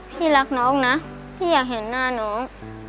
พี่รักน้องนะพี่อยากเห็นหน้าน้อง